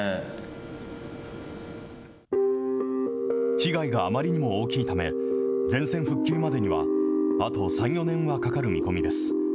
被害があまりにも大きいため、全線復旧までには、あと３、４年はかかる見込みです。